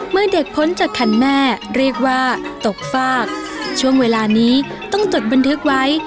เมื่อเด็กพ้นจากคันแม่เรียกว่าตกฟากช่วงเวลานี้ต้องจดบันทึกไว้